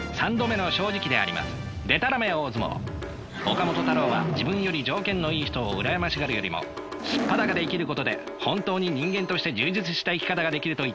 岡本太郎は自分より条件のいい人を羨ましがるよりも素っ裸で生きることで本当に人間として充実した生き方ができると言っていました。